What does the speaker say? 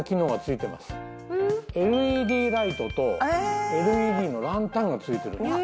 ＬＥＤライトとＬＥＤのランタンが付いてるんです。